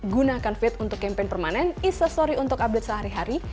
gunakan feed untuk campaign permanen instastory untuk update sehari hari